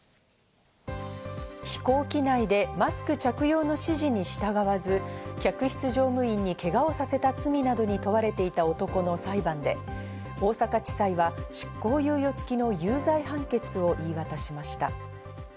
飛行機内でマスク着用の指示に従わず、客室乗務員にけがをさせた罪などに問われていた男の裁判で、大阪地裁は執行猶予付きの有罪判決を言い渡しました。